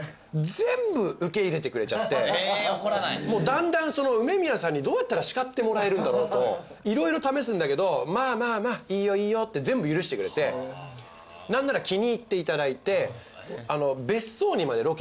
だんだん梅宮さんにどうやったら叱ってもらえるんだろうと色々試すんだけどまあまあまあいいよいいよって全部許してくれて何なら気に入っていただいて。